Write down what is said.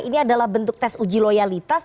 ini adalah bentuk tes uji loyalitas